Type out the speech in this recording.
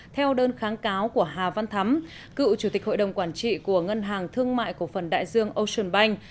theo đơn kháng cáo của hà văn thắm cựu chủ tịch hội đồng quản trị của ngân hàng thương mại cổ phần đại dương ocean bank